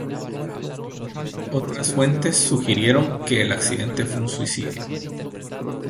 Otras fuentes sugirieron que el accidente fue un suicidio.